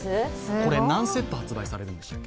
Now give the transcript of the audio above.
これ、何セット発売されるんでしたっけ？